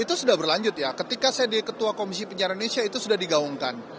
itu sudah berlanjut ya ketika saya di ketua komisi penyiaran indonesia itu sudah digaungkan